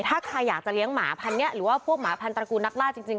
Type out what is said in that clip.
ถ้าใครอยากจะเลี้ยงหมาพันนี้หรือว่าพวกหมาพันตระกูลนักล่าจริง